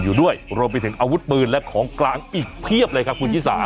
อยู่ด้วยรวมไปถึงอาวุธปืนและของกลางอีกเพียบเลยครับคุณชิสา